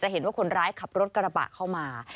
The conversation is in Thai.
เห็นว่าคนร้ายขับรถกระบะเข้ามา